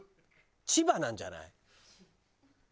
千葉なんじゃない？